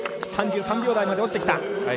３３秒台まで落ちてきた。